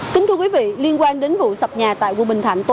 kính thưa quý vị liên quan đến vụ sập nhà tại quận bình thạnh